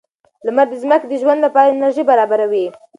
لمر د ځمکې د ژوند لپاره انرژي برابروي.